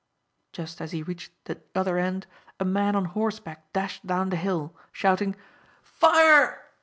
Just as he reached the other end a man on horseback dashed down the hill, shouting "Fire!"